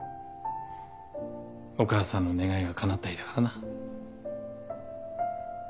お母さんの願いがかなった日だからな。